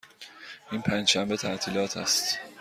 این پنج شنبه تعطیلات است.